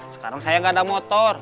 sekarang saya nggak ada motor